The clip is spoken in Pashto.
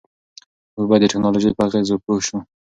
موږ باید د ټیکنالوژۍ په اغېزو پوه شو.